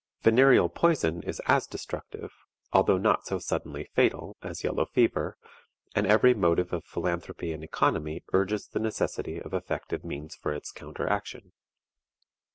Venereal poison is as destructive, although not so suddenly fatal, as yellow fever, and every motive of philanthropy and economy urges the necessity of effective means for its counteraction.